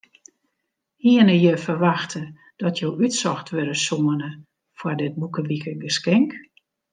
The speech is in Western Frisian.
Hiene je ferwachte dat jo útsocht wurde soene foar dit boekewikegeskink?